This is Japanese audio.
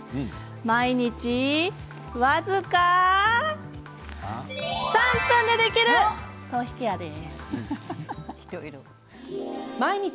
毎日、僅か３分でできる頭皮ケアです。